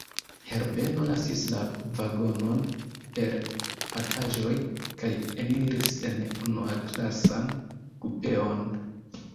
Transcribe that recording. Herbeno lasis la vagonon por pakaĵoj, kaj eniris en unuaklasan kupeon.